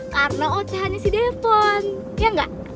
karena ocahannya si devon ya gak